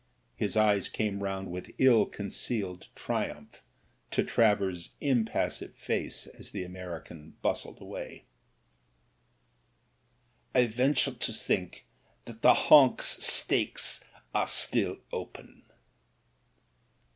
His eyes came round with ill concealed triumph to Travers's im passive face as the American bustled away. "I venture to think that the Honks stakes are still open."